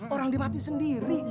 orang dimati sendiri